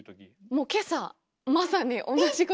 もう今朝まさに同じことが。